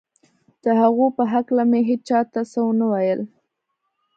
د هغو په هکله مې هېچا ته څه نه ویل